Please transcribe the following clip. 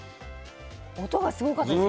音がすごかったです。